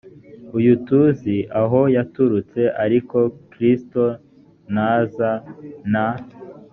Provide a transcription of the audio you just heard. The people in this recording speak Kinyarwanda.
uyu tuzi aho yaturutse ariko kristo naza nta